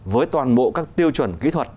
với toàn bộ các tiêu chuẩn kỹ thuật